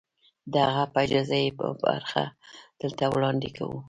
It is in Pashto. د هغه په اجازه يې يوه برخه دلته وړاندې کوو.